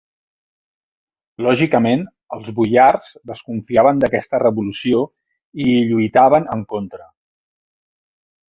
Lògicament, els boiars desconfiaven d'aquesta revolució i hi lluitaven en contra.